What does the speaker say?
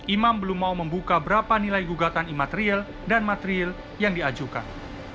imam belum mau membuka berapa nilai gugatan imaterial dan material yang diajukan